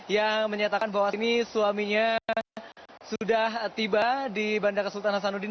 yang menyatakan bahwa ini suaminya sudah tiba di bandara sultan hasanuddin